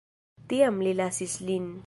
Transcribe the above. Tiam li lasis lin.